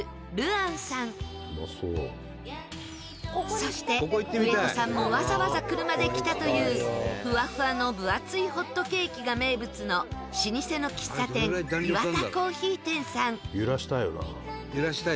そして上戸さんもわざわざ車で来たというふわふわの分厚いホットケーキが名物の老舗の喫茶店イワタコーヒー店さん。